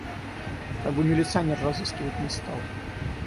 Как бы милиционер разыскивать не стал.